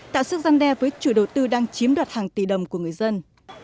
tạo sức gian đe với chủ đầu tư đang chiếm đoạt hàng tỷ đồng của người dân